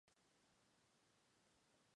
Fue muy entrevistado y habló muy bien de Chaplin.